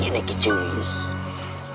yang setelah kita pergi luar biasa